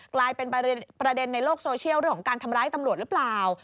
กลายเป็นประเด็นในโลกโซเชียลเรื่องของการทำร้ายตำรวจหรือเปล่า